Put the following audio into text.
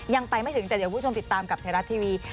ยังไปไม่ถึงแต่เดี๋ยวคุณผู้ชมติดตามกับไทยรัฐทีวี